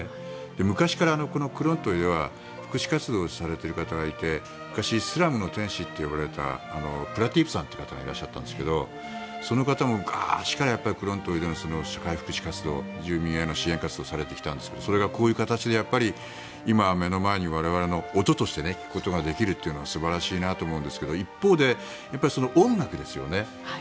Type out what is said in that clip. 昔から、このクロントイでは福祉活動をされている方がいて昔イスラムの天使と呼ばれたプラティープさんという方がいらっしゃったんですがその方も昔からクロントイでの社会福祉活動住民への支援活動をされてきたんですがそれがこういう形で今は目の前に我々の音として聴くことができるというのは素晴らしいなと思うんですが一方で、音楽ですよね。